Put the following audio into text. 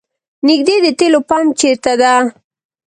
نیږدې د تیلو پمپ چېرته ده؟